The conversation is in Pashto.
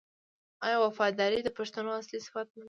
آیا وفاداري د پښتون اصلي صفت نه دی؟